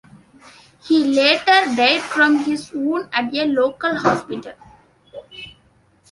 He later died from his wound at a local hospital.